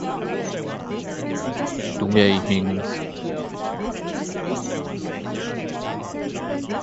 He is survived by his wife, Jennifer De Leonel, and nine-year-old son.